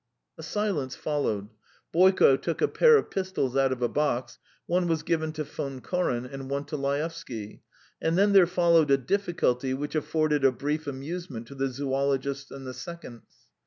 A silence followed. Boyko took a pair of pistols out of a box; one was given to Von Koren and one to Laevsky, and then there followed a difficulty which afforded a brief amusement to the zoologist and the seconds.